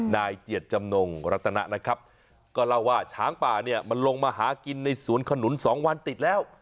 นายเจียดจำนงรัตนนะครับก็เล่าว่าช้างป่าเนี่ยมันลงมาหากินในสวนขนุน๒วันติดแล้ว